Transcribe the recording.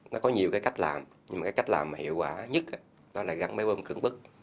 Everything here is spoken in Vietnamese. nó có nhiều cái cách làm nhưng mà cái cách làm mà hiệu quả nhất đó là gắn máy bơm cẩn bức